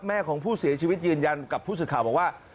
แม่ของผู้เสียชีวิตยืนยันกับผู้สื่อข่าวบอกว่า